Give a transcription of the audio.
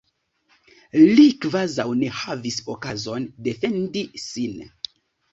Li kvazaŭ ne havis okazon defendi sin.